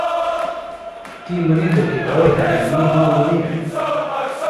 تی منِیتوۡ کیۡ کو یھاندے، می ماموۡ نئے